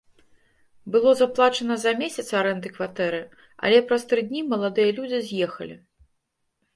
Было заплачана за месяц арэнды кватэры, але праз тры дні маладыя людзі з'ехалі.